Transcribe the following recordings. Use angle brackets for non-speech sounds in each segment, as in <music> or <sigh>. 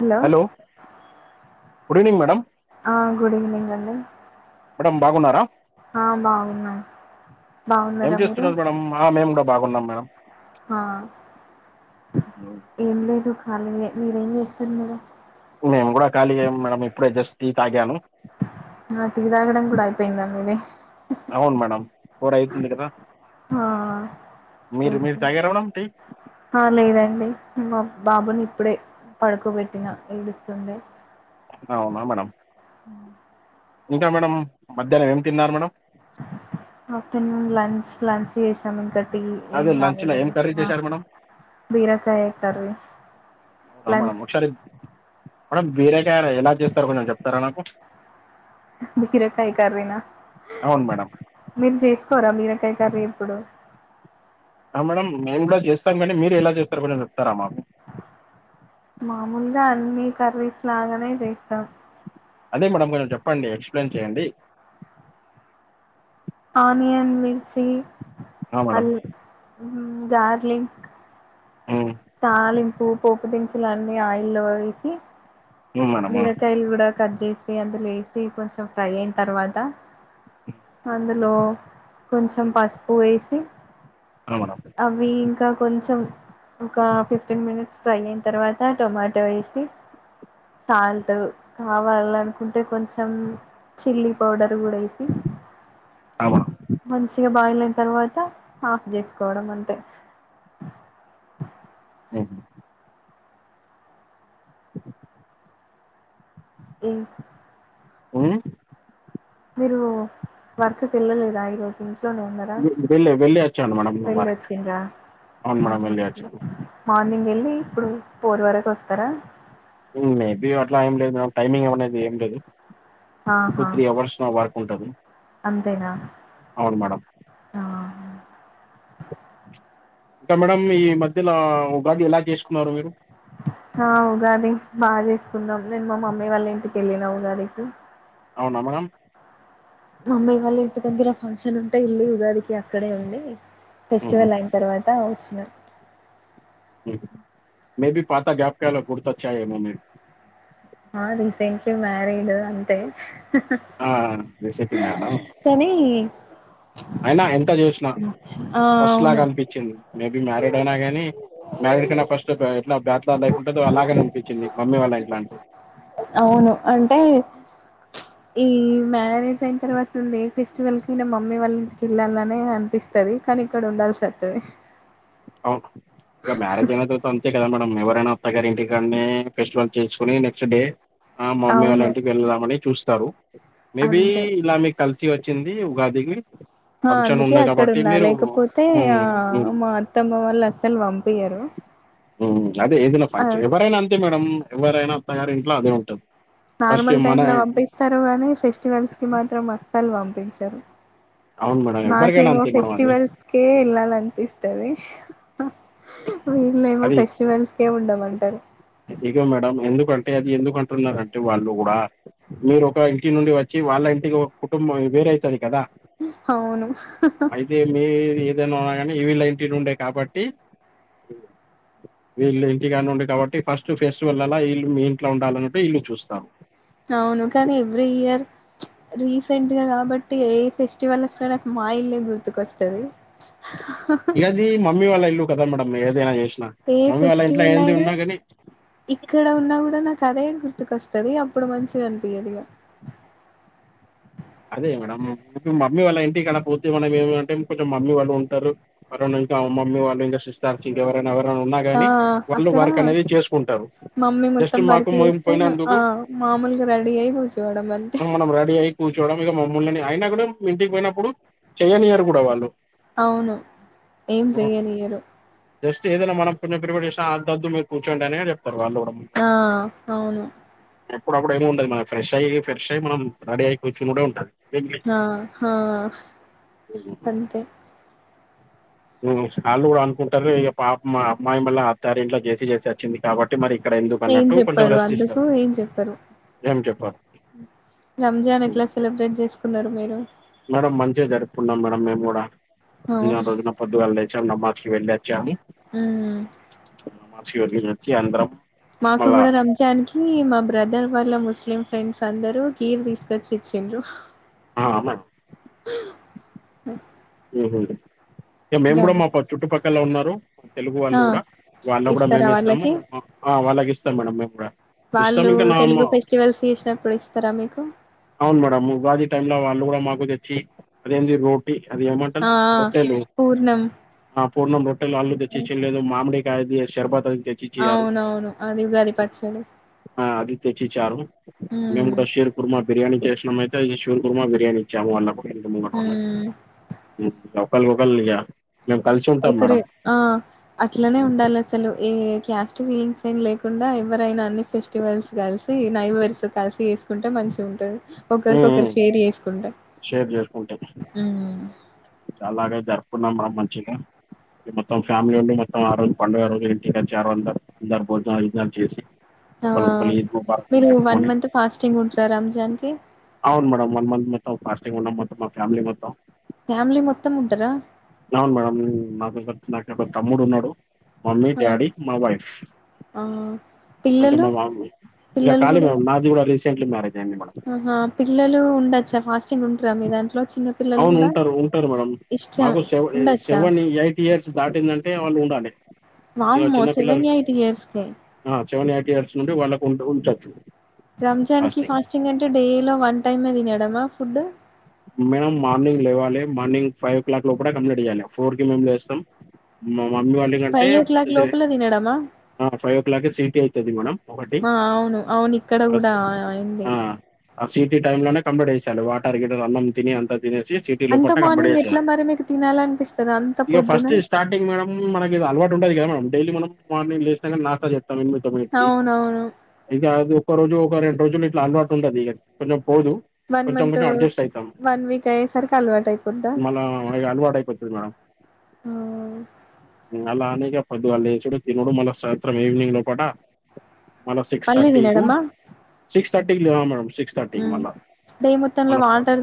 Hello good evening madam ఆ good evening అండి madam బాగున్నారా ఆ బాగున్నం ఏం బాగున్నారా మీరు చేస్తున్నారు మేడం ఆ మేము కూడా బాగున్నాం మేడం హా ఏం లేదు కాళియే మీరేం చేస్తారు మీరు మేము కూడా ఖాళీయే మేడం ఇప్పుడే జస్ట్ టి తాగాను పోయిందా మీది అవును మేడమ్ ఫోర్ అయితుంది కదా ఆ మీరు మీరు ఓకే తాగారా మేడం టీ ఆ లేదండి మా బాబుని ఇప్పుడే పడుకోబెట్టిన ఏడుస్తుంటే అవునా మేడమ్ ఇంకా మేడం మధ్యాహ్నం ఏం తిన్నారు మేడం ఆఫ్టర్నూన్ లంచ్ లంచ్ చేసాము ఇక ఏం అదే లంచ్లో ఏం కర్రీ <unintelligible> చేశారు మేడం బీరకాయ కర్రీ లంచ్ మేడమ్ వేరే ఎలా చేస్తారు కొంచెం చెప్తారా నాకు బీరకాయి కర్రీ నా అవును మేడం మీరు చేస్త కోరా బీరకాయ కర్రీ ఎప్పుడు ఆ మేడమ్ మేము కూడా చేస్త మీరు ఎలా చేస్తారో కూడా చెప్తారా మాకు మామూలుగా అన్ని కర్రీస్ లాగనే చేస్తాం. అదే మేడం కొంచెం చెప్పండి, ఎక్స్ప్లెయిన్ చేయండి? ఆనియన్ మిర్చి ఆ మేడమ్ గార్లింక్ ఉమ్, పూ పోపు దినుసులన్నీ ఆయిల్లో వేసి ఉమ్ మేడం ఆ బీరకాయల్ గుడాట్లన్ కట్ చేసి అందులో ఏసి కొంచెం ఫ్రై అయిన్తర్వాత, అందులో కొంచెం పసుపు వేసి ఆ మేడం అవ్వి ఇంకా క్ కొంచెం ఒక ఫిఫ్టీన్ మినిట్స్ ఫ్రై అయిన్తర్వాత టొమాటో వేసి సాల్ట్ కావాలనుకుంటే కొంచెం చిల్లీ పౌడర్ గుడేసి ఆ మేడం మంచిగ బాయిల్ అయిన్తర్వాత ఆఫ్ చేసుకోవడం అంతే. హ్మ్ ఇన్ ఊమ్ మీరు వర్క్ కెల్లలేదా ఈ రోజు నుంచి ట్లోనె వున్నరా, వెళ్ళి వెళ్ళి వచ్చాను మేడం వారికి వెళ్లొచ్చిన్రా? అవును ఆ మేడం హా వెళ్ళి వచ్చాను మార్నింగ్ వెళ్ళి ఇప్పుడు, ఫోర్ వరకొస్తరా? న్నది ఏం లేదు. టూ ఆహా త్రీ అవర్స్ నా వర్క్ ఉంటది. అంతేనా అవును మేడం ఆహా. ఇంకా మేడం ఈ మధ్యలా ఉగాది ఎలా చేసుకున్నారు మీరు? ఆ ఉగాది బాగ చేసుకున్నాం, నేను మా మమ్మీ వాళ్ళ ఇంటికెళ్ళిన ఉగాదికి. అవునా మేడం మమ్మి వాళ్ళ ఇంటి దగ్గర ఫంక్షన్ ఉంటే ఎల్లి ఉగాదికి అక్కడే ఉండి హ్మ్. ఫెస్టివల్ అయిన్తర్వాత ఒచ్ చ్చిన మే బి పాత గ్యాపకాలు గుర్తొచ్చాయేమో మీకు? ఆ రీసెంట్లీ మ్యారీడ్ అంతే. రీసెంట్ మేడం కనీ అయినా ఎంత జేసిన ఆ ఫస్ట్ లాగా అవును అనిపిచ్చింది, మేబి మ్యారీడ్ అయినా గానీ మ్యారీడ్ కన్న ఫస్ట్ ఎట్లా బ్యాచ్లర్ లైఫ్ ఉంటదో అలాగని అనిపించింది మమ్మీ వాళ్ళ ఇట్లాంటిది. అవును అంటే ఈ మ్యారేజ్ అయిన్తర్వాత నుండి ఏ ఫెస్టివల్ కైనా మమ్మీ వాళ్ళ ఇంటికెళ్ళాలనే అనిపిస్తది కనీ ఇక్కడ ఉండాల్సత్తది. అవున ఇగ మ్యారజ్ అయినతర్థ అంతే కదా మేడం ఎవర్ డైన అత్తగారి ఇంటికాన్నే ఫెస్టివల్ చేసుకొని నెక్స్ట్ డే ఆ మమ్మీ అవును వాళ్ళ ఇంటికి వెళ్దామని చూస్తరు, మే బీ అంతే ఇలా మీక్ కల్స్ చి వచ్చింది ఉగాదికి ఆ ఫంక్షన్ అందుకే ఉంది అక్కడ కాబట్టి ఉన్నా మీరు లేకపోతే హ్మ్. ఆ హ్మ్. మా అత్తం మమ్మ వాళ్ళ అస్సలు పంపయ్యారు ఓ అదే ఏదైనా ఫంక్షన్ ఎవరైనా అంతే మేడం ఎవరైనా అత్తగారింట్లో అదే ఉంటుంది నార్మల్ టైమ్ లో పంపిస్తారు గాని ఫెస్టివల్స్ కి మాత్రం అస్సలు పం పపించారు అవును మేడం ఎవరికైనా నాకేమో అంతే మేడం అది. ఫెస్టివల్స్కే వెళ్ళాలనిపిస్తంది తది హ వీళ్ళ ఏమో ఫెస్టివల్స్కే ఉండమనీ టరు ఇ ఇగో మేడమ్ ఎందుకు అంటే అది ఎందుకు అంటున్నంటే వాళ్ళు కూడా మీరు ఒక ఇంటి నుండి వచ్చి వాళ్ళ ఇంటికి కుటుంబం వేరయితది కదా అవును అయితే మీ న్నా కాని వీళ్ళ ఇంటి ఉండే కాబట్టి వీళ్ళ ఇంటికాని ఉండే కాబట్టి ఫస్ట్ ఫెస్టివల్లల ఈల్ మీ ఇంట్లో ఉండాల అన్నంటే ఈలు చూస్తారు అవును కానీ ఎవ్రీ ఇయర్ ప్చ్ రీసెంట్గా కాబట్టి ఎయిత్ ఫెస్టివల్స్ వ మా ఇల్ గు తు కొస్తది ఇగ అది మమ్మీ వాళ్ళ ఇల్లు కదా మేడమ్ ఏదైనా చేసినా ఏ మమ్మీ వాళ్ళ ఇంట్లో ఫెస్టివల్ ఏంది అయినా ఉన్నా గాని అదె గుర్తుకొస్తుది అప్పుడు మంచిగా అనిపియ్యదిగా అదే మేడం ఇప్పుడు మమ్మీ వాళ్ళ ఇంటి గనపోతే మనం ఏమంటే కొంచెం మమ్మీవాళ్ళు ఉంటారు <unintelligible> మమ్మీవాళ్ళు ఇంకా సిస్టార్స్ ఇంకవైనా ఆ అక్కడ చేసుకుంటారు. మమ్మీ జస్ట్ మొత్తం మాకు పర్క్ మేం చేస్తే పోయినందుకు ఆ మామూలుగా రెడీ అయి కూర్చోడమె అంతే <unintelligible> మమ్మల్నిని అయినా కూడా ఇంటికి పోయినప్పుడు చెయ్యనియారు కూడా వాళ్ళు అవును ఏం చేయానియ్యరు జస్ట్ ఏదైనా మనం <unintelligible> చేసిన ఆంతద్దు మీరు కూర్చండి అనే చెప్తారు వాళ్ళు కూడా. ఆ అవును అప్పుడప్పుడు ఏమి ఉండదు మనకి ఫ్రెష్ అయి ఫ్రెష్ అయి మనం రెడీ అయి కుచి కూడా ఉంటది ఆ ఆ హా అంతే హుమ్ వాళ్లు కూడా అనుకుంటారు ఇక పాపము ఆ అమ్మాయి అత్తారింట్లో చేసి చేసి వచ్చింది కాబట్టి మరి ఇక్కడ ఎందుకు ఏం అన్నట్టు కొంట చెప్పరు అందుకు రెస్టిస్తారు ఏం చెప్పరు ఏం చెం బ రంజాన్ ఎట్లా సెలబ్రేట్ చేసుకున్నారు మీరు మేడం మంచిగా జరుపుకున్నాం మేడం మేము కూడా ఆ <unintelligible> పొద్దుగులాలెచం నమ్మజ్ వేలివచ్చాయని హుమ్మ్ నమాజ్ కి వెళ్లొచ్చి అందరం మాకు మళ్ళా కూడా రంజానికి మా బ్రదర్ వల్ల <unintelligible> ముస్లిం ఫ్రెండ్స్ అందరు కీర్ తీసుకొచ్చి ఇచ్చిండ్రు ఆ మా ఉమ్ ఉహు ఇంకా మేము కూడా మా చుట్టుపక్కల ఉన్నారు తెలుగు ఆ వాళ్ళు కూడా వాళ్ళ కూడా ఇస్తారా మేము ఇస్తాము వాళ్ళకి వాళ్ళకి ఇస్తాం మేడం మేము కూడా ఇస్తాము వాళ్ళు ఇంకా తెలుగు ఫెస్టివల్స్ చేసినప్పుడు ఇస్తారా మీకు అవును మేడం ఉగాది టై లో వాళ్ళు కూడా మాకు తెచ్చి అదేంది రోటీీ అది ఏమంటారు ఆ ఆ రొట్టెలు పూర్ణం ఆ పూర్ణం రొట్టెలు వాళ్లు హ్మ్. తెచ్చిచెందిలేదు మామిడి <unintelligible> శర్బత అవునవును అది ఉగాది పచ్చడి తెచ్చిచారు మేం హ్మ్ కూడా షేర్ కుర్మా బిర్యానీ టెస్ట్ మేమయితే ఈష్ కుర్మ బిర్యానీ ఇచ్చాము వాళ్ళకి హ్మ్ <unintelligible> ఉమ్ ఒకరికొకలిగా ఒకరే ఆ అట్లనే ఉండాలి అసలు ఏ క్యాస్ట్ ఫీలింగ్స్ అనా లేకుండా ఎవరైనా అన్ని ఫెస్టివల్స్ కలిసి నై వర్స్ కలిసి చేసుకుంటే మంచిగా ఉంటుంది ఒకరికొ ఉమ్, ఒకరు ఉమ్. షేర్ చేసుకుంట షేర్ చేసుకుంటాం ఉమ్ అలాగే జరుపుకున్నాం మన మంచిగా మొత్తం ఫ్యామిలీ ఉండి మొత్తం ఆ రోజు పండుగ రోజు ఇంటికి వచ్చారు అందరు అందరు భోజన గీజనాలు చేసి ఒకరికొకరు ఈద్ ముబారక్ అని మీరు చెప్పుకొని వన్ మంత్ ఫాస్టింగ్ ఉంటారా రంజాన్కి ఓహ్ ఫాస్టింగ్ ఉన్నాం మోత్ ఫ్యామిలీ మొత్తం ఫ్యామిలీ మొత్తం ఉంటరా అవును మేడమ్ నాక్ నాకె తమ్ముడున్నాోడు మమ్మీ ఆ డాడీ మా వైఫ్ ఆ అంటే పిల్లలు మా మామ ఇంకా పిల్లలు ఖాళీ కూడా మామ్ నాది కూడా రీసెంట్లీ మ్యారేజ్ అయింది మేడం ఆహా పిల్లలు ఉండచ్చా ఫాస్టింగ్ ఉట్ మీ దాంట్లో చిన్న పిల్లలు అవును కూడా ఉంటారు ఉంటారు మేడం ఇష్టం మాకు సెవ ఉండొచ్చా సెవెన్ ఎయిట్ ఇయర్స్ దాటిందంటే వాళ్ళు ఉండాలి ఇ వామ్మో చిన్నపిల్లలు సెవెన్ ఎయిట్ ఇయర్స్ కే ఆ సెవెన్ ఎయిట్ ఇయర్స్ నుండి వాళ్ళకు ఉంట ఉంటచ్చు రంజాన్ కి ఫాస్టింగ్ అంటే డే లో వన్ టైమ్ ఏ తినడమా ఫుడ్డు మేడం మార్నింగ్ లేవాలి మార్నింగ్ ఫైవ్ ఓ క్లాక్ లోపల కంప్లీట్ చేయాలి ఫోర్ కి మేము లేస్తాం మమ్మీ వాళ్ళ కంటే ఫైవ్ ఓ క్లాక్ లోపల తినడమా ఫైవ్ ఓ క్లాక్ సిటీ అవుతుంది మేడం ఒకటి ఆ అవును అవును ఇక్కడ కూడా అండి <unintelligible> సిటీ టైమ్ లోనే కంప్లీట్ చేసా వాటర్ అన్నం తిని అంత <unintelligible> అంత మార్నింగ్ ఎట్లా మరి మీకు తినాలి అనిపిస్తుంది అంత పొద్దున <unintelligible> కద మేడం డైలీ మన మార్నింగ్ లేస్త నాస్తా చేస్తం అవునవును <unintelligible> ఒక రోజు ఒక రెండు రోజులు ఇట్లా అలవాటు ఉంటది ఇగ కొంచెం పోదు వన్ కొంచెం మంత్ కొంచెం అడ్జెస్ట్ వన్ వీక్ అయ్యేసరికి అలవాటు అయిపోందా <unintelligible> అలవాటుయిపోతది మేడం ఆ అలా అనేగా పొందుగల లేసుడు తినుడు మళ్ళా సాయంత్రరం <unintelligible> మళ్ళ సిక్స్ మళ్ళీ థర్టీ కు తినడమా సిక్స్ <unintelligible> మేడం సిక్స్ థర్టీకి మళ్ళా డే మొత్తంలో మళ్ళా వాంటర్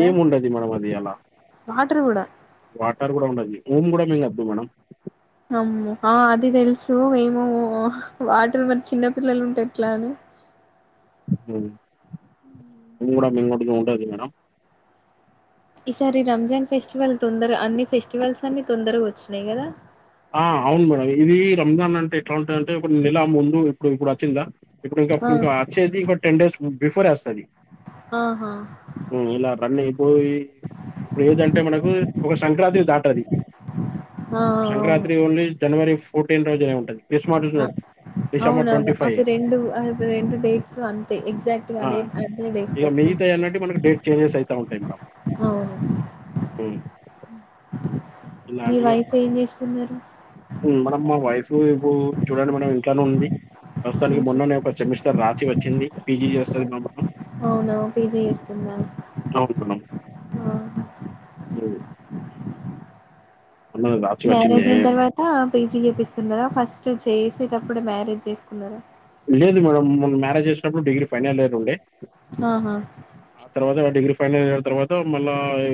ఏం ఉండది మనం అది ఈ ఎలా వాటర్ కూడా వాటర్ కూడా ఉండది <unintelligible> మేడం అమ్మో ఆ అది తెలుసు ఏమో <unintelligible> చిన్న పిల్లలు ఉంటే ఎట్లా అని కూడా <unintelligible> మేడం ఈసారి రంజాన్ ఫెస్టివల్ తొందర అన్ని ఫెస్టివల్స్ అన్ని తొందరగా వచ్చినాయి కదా ఆ అవును మేడం ఇది రంజాన్ అంటే ఎట్లా ఉంటందంటే ఇప్పుడు నెల ముందు ఇప్పుడు ఇప్పుడు వచ్చిందా ఇప్పుడు ఆ <unintelligible> టెన్ డేస్ బఫోర్ ఆహా <unintelligible> ఇలా రన్ అయిపోయి ఇప్పుడు ఏదంటే మనకు <unintelligible> సంక్రాంతి దాటది ఆ అవును సంక్రాంతి ఓన్లీ జనవరి <unintelligible> ఏం ఉంటది క్రిస్మస్ డిసెంబర్ అవునవును ట్వంటీ ఫైవ్ అవి రెండు అ రెండు డేట్స్ అంతే ఎగ్జాక్ట్ గా ఆ అదే అదే డేట్స్ ఇక వస్తా మిగతాయి అన్నట్టు మనకు డేట్ చేంజెస్ అయితా ఉంటాయి మేడం అవును మ్మ్ మీ వైఫ్ ఏం చేస్తున్నారు మనం మా వైఫ్ ఇప్పుడు చూడండి మేడం ఇంట్లో ఉంది ప్రస్తుతానికి మొన్ననే ఒక సెమిస్టర్ రాసి వచ్చింది పీజీ అ చేస్తుంది అవునా పీజీ చేస్తుందా <unintelligible> ఆ వు రాసి వచ్చింది మ్యారేజ్ అయిన తర్వాత పేజీ చేపిస్తున్నార ఫస్ట్ చేసేటప్పుడు మ్యారేజ్ చేసుకున్నార ప్పుడు డిగ్రి ఫైనల్ ఇయర్ ఉండే ఆహా ఆ తర్వాత వాడిగ ఫైనల్ ఇయర్ తర్వాత మళ్ళా ఈ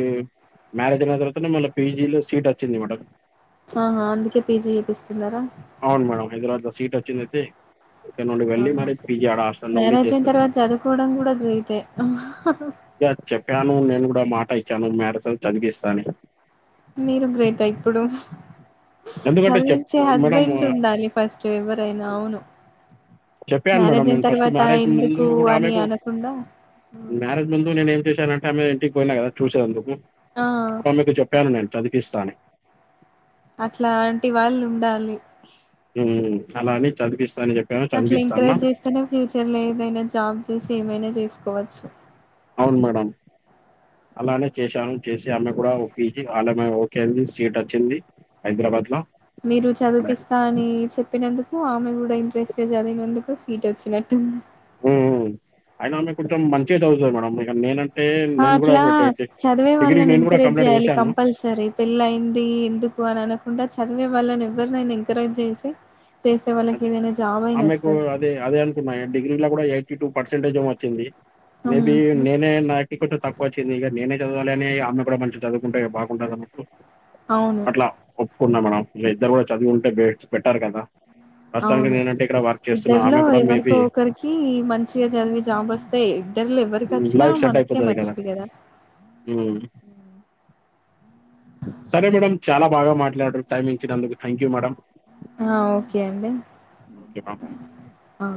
మ్యారేజ్ అయిన తర్వాత మళ్ళీ పీజీ లో సీట్ వచ్చింది ఈమ ఆహా అందుకే పీజీ చేపిస్తున్నారా అవును మేడం హైదరాబాద్ లో సీట్ వచ్చిందయిథే ఆహా ఉండి మ్యారేజ్ అయిన చేస్తుంది తర్వాత మేడం చదువుకోవడం కూడా గ్రేట్ అయి చాను మ్యారజా తర్వత చదివిస్తా అని మీరు గ్రేట్ ఇప్పుడు ఎందుకంటే చెప్ చదివించే మేడం హస్బెండ్ ఉండాలి ఫస్ట్ ఎవరైనా అవును చెప్పాను మేడం మ్యారేజ్ అయిన నేను ఫస్ట్ తర్వాత మ్యారేజ్ ముందు ఎందుకు కూడా అని ఆమెకు అనకుండా మ్యారేజ్ ముందు నేను ఏం చేశా అంటేమె ఇంటికి పోయినా కదా చూసే అందుకు ఆ అప్పుడు ఆమెకు చెప్పాను నేను చదిపిస్తా అని అట్లాంటి వాళ్ళు ఉండాలి అలాని చదిపిస్త అట్లా ఎంకరేజ్ చేసుకునే ఫ్యూచర్ లో ఏదైనా జాబ్ చేసు ఏమైనా చేసుకోవచ్చు అవును మేడం అలానే చేశాను చేసి ఆమె కూడా ఒపించి ఆలమ కే సీట్ వచ్చింది హైదరాబాద్ లో మీరు చదివిపిస్తా అని చెప్పినందుకు ఆమె కూడా ఇంట్రెస్ట్ చదివినందుకు వీ వచ్చినట్ అయిన ఆమె కొంచెం మంచిగా చదువుతుంది మేడం ఇక నేనంత అట్లా చదివే వాళ్ళని నేను కూడా ఎంకరేజ్ కంప్లీట్ చేయాలి చేశాను. కంపల్సరీ పెళ్ళయింది ఎందుకు అని అను కుండా చదివే వాళ్ళని ఎవరిరు నైన ఎంకరేజ్ చేసి చేసే వాళ్ళకి అదే ఏదైనా జాబ్ అయినా ఆమెకు వస్తది అదే అదే అనుకున్నాయి డిగ్రీ కూడా ఎయిటీ టూ పర్సెంట్ పర్ంటేజ వచ్చింది హ్మ్ మేబి నేనే నాకి కొంట తక్కువచ్చ ది ఇక నేనే చదవాలి అని అమ్మె కూడా మంచిగా చదువుకుంటే బాగుంటదు అనెసి అవును కు మేడం ఇద్దరు కూడా చదువుంటే బెటర కదా ప్రస్తుతానికి అవును నేనంటే ఇక్కడ వర్క్ చేస్తున్నా. ఇద్దరిలో ఆమె కూడా ఎవరికో మేబీ ఒకరికి మంచిగా చదివి జాబ్ వస్తే ఇద్దరులో ఎవరికి వచ్చినా లైఫ్ సెట్ మనకే అయిపోతది మంచిది కదా ఉమ్. సరే మేడం చాలా బాగా మాట్లాడరు టైం ఇచ్చినదుకు థ్యాంక్ యూ మేడం అ ఓకే ఎండే ఓకే మేడం ఆ